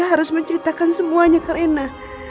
harus menceritakan semuanya ke rina